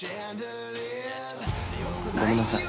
◆ごめんなさい。